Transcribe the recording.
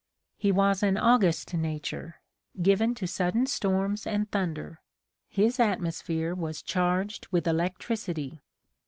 (He was an August nature, given to sudden storms and thunder; his atmosphere was charged with, electricity.